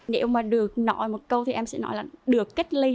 nếu mà được nội một câu thì em sẽ nội là được cách ly